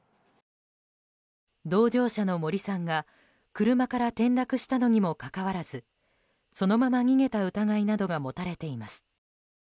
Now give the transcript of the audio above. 同乗者の森さんが車から転落したのにもかかわらずそのまま逃げた疑いなどが持たれています。